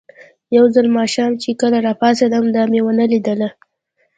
یو ځل ماښام چې کله راپاڅېدم، دا مې ونه لیدله.